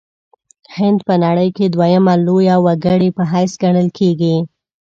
هند په نړۍ کې دویمه لویه وګړې په حیث ګڼل کیږي.